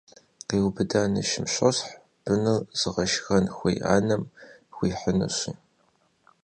Къиубыда нышым щосхь, быныр зыгъэшхэн хуей анэм хуихьынущи.